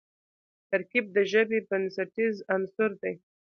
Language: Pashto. ترکیب د ژبي بنسټیز عنصر دئ.